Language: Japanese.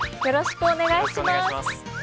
よろしくお願いします。